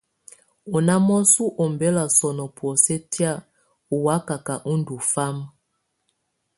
Ɔ́ ná mɔ̀sɔ ú ɔmbɛ̀la sɔ̀nɔ̀ bɔ̀osɛ tɛ̀á ɔ́ wàkaka ú ndù fama.